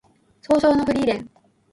葬送のフリーレン